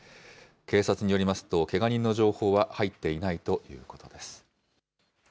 警察によりますと、けが人の情報は入っていないということです。